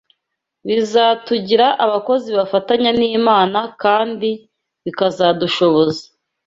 bizatugira abakozi bafatanya n’Imana kandi bikazadushoboza